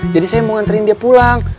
jadi saya mau nganterin dia pulang